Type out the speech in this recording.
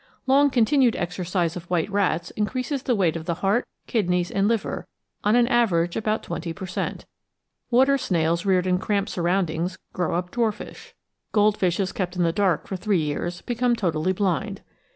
Long continued exercise of white rats increases the weight of the heart, kidneys, and liver, on an average about 20 per cent. Water snails reared in cramped surroimdings grow up dwarfish. Goldfishes kept in the dark for three years become totally blind.